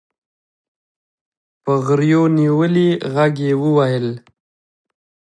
په غريو نيولي ږغ يې وويل.